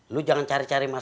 lu jangan cari mas angga good